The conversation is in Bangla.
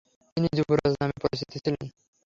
তিনি “যুবরাজ” নামে পরিচিত ছিলেন।